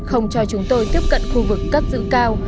không cho chúng tôi tiếp cận khu vực cấp dự cao